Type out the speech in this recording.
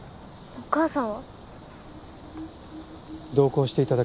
お母さん。